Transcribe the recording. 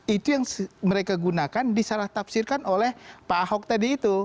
itu yang mereka gunakan disalah tafsirkan oleh pak ahok tadi itu